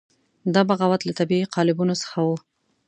دا بغاوت له طبیعي قالبونو څخه وو.